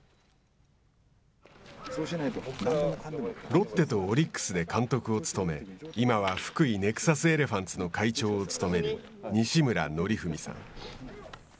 ロッテとオリックスで監督を務め今は福井ネクサスエレファンツの会長を務める西村徳文さん。